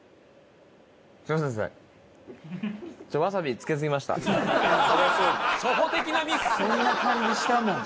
そんな感じしたもん。